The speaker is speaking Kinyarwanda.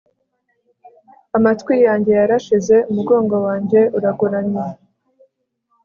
amatwi yanjye yarashize. umugongo wanjye uragoramye